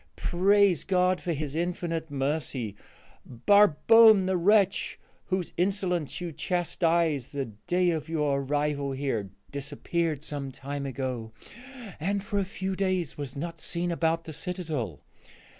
Praise God for his infinite mercy! Barbone, the wretch whose insolence you chastised the day of your arrival here, disappeared some time ago and for a few days was not seen about the citadel.